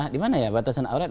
dimana ya batasan aurat